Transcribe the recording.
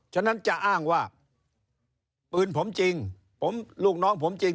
ฉะนั้นจะอ้างว่าปืนผมจริงผมลูกน้องผมจริง